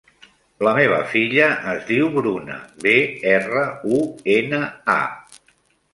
La meva filla es diu Bruna: be, erra, u, ena, a.